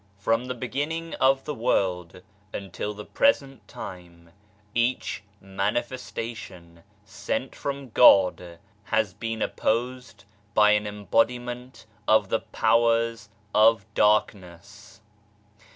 OM the beginning of the world until the present time each " Manifestation " x sent from God has been opposed by an embodiment of the " Powers of Darkness."